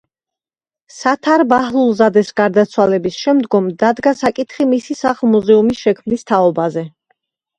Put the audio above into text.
სათარ ბაჰლულზადეს გარდაცვალების შემდგომ დადგა საკითხი მისი სახლ-მუზეუმის შექმნის თაობაზე.